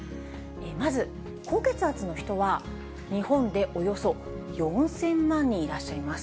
まず高血圧の人は、日本でおよそ４０００万人いらっしゃいます。